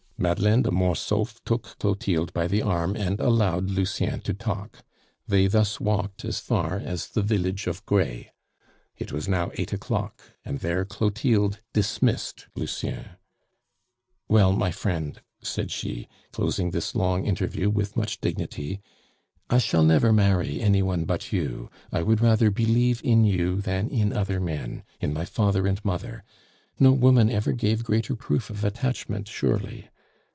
Madeleine de Mortsauf took Clotilde by the arm and allowed Lucien to talk. They thus walked on as far as the village of Grez. It was now eight o'clock, and there Clotilde dismissed Lucien. "Well, my friend," said she, closing this long interview with much dignity, "I never shall marry any one but you. I would rather believe in you than in other men, in my father and mother no woman ever gave greater proof of attachment surely?